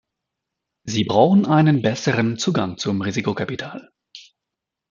Sie brauchen einen besseren Zugang zum Risikokapital.